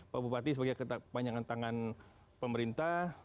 pak bupati sebagai panjangan tangan pemerintah